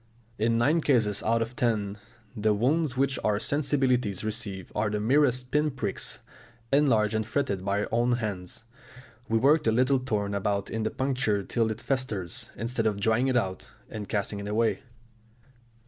In nine cases out of ten, the wounds which our sensibilities receive are the merest pin pricks, enlarged and fretted by our own hands; we work the little thorn about in the puncture till it festers, instead of drawing it out and casting it away.